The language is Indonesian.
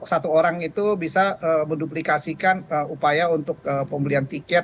jadi satu orang itu bisa menduplikasikan upaya untuk pembelian tiket